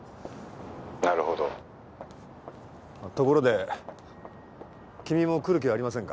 「なるほど」ところで君も来る気はありませんか？